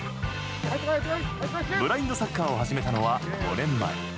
ブラインドサッカーを始めたのは５年前。